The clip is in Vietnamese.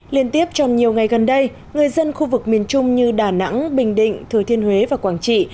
liên tiếp trong nhiều ngày gần đây người dân khu vực miền trung như đà nẵng bình định thừa thiên huế và quảng trị